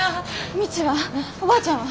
未知はおばあちゃんは？